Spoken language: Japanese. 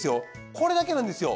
これだけなんですよ。